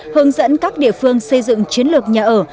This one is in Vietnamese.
hướng dẫn các địa phương xây dựng chiến lược nhà ở